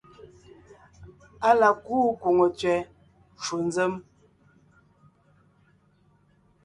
Á la kúu kwòŋo tsẅɛ ncwò nzěm,